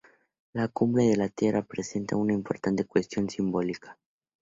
La Cumbre de la Tierra presenta una importante cuestión simbólica.